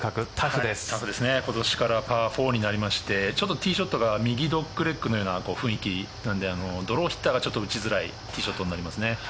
今年からパー４になりましてティーショットが右ドッグレッグのような雰囲気なのでドローヒッターが打ちづらいティーショットになりますね。